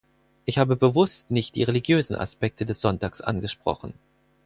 Ich habe bewusst nicht die religiösen Aspekte des Sonntags angesprochen.